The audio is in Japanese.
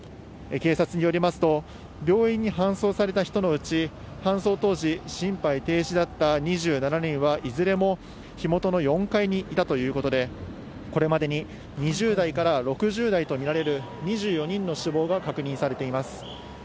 警察によりますと、病院に搬送された人のうち、搬送当時、心肺停止だった２７人はいずれも火元の４階にいたということで、これまでに２０代から６０代と見られる２４人の死亡が確認されています。